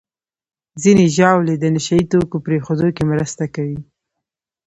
ځینې ژاولې د نشهیي توکو پرېښودو کې مرسته کوي.